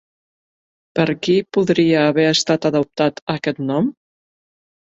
Per qui podria haver estat adoptat aquest nom?